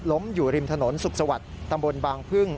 อยู่ริมถนนสุขสวัสดิ์ตำบลบางพึ่ง